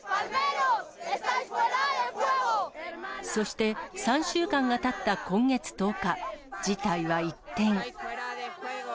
そして、３週間がたった今月１０日、事態は一転。